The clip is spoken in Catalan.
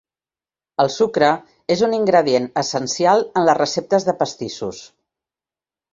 El sucre és un ingredient essencial en les receptes de pastissos.